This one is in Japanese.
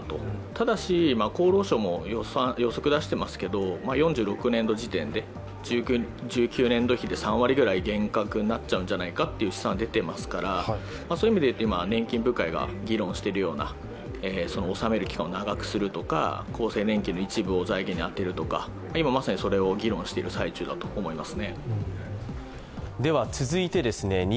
ただし、厚労省も予測を出していますけど４６年度時点で１９年度比で３割ぐらい減額になっちゃうんじゃないかという試算が出ていますからそういう意味で言うと今、年金部会が議論しているような納める期間を長くするとか、厚生年金の一部を財源に充てるとか、今まさにそれを議論している最中だと思います。